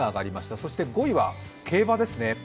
そして５位は競馬ですね。